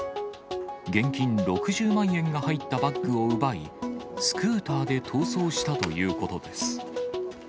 現金６０万円が入ったバッグを奪い、スクーターで逃走したということです。